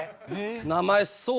名前そう。